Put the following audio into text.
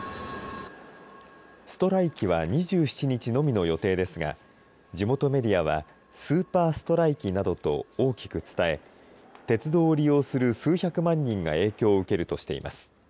ストライキは２７日のみの予定ですが地元メディアはスーパーストライキなどと大きく伝え鉄道を利用する数百万人が影響を受けるとしています。